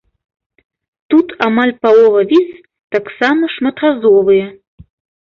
Тут амаль палова віз таксама шматразовыя.